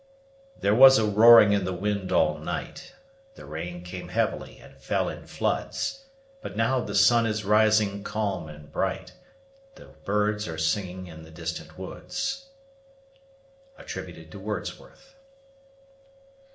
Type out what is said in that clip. There was a roaring in the wind all night; The rain came heavily, and fell in floods; But now the sun is rising calm and bright; The birds are singing in the distant woods. WORDSWORTH.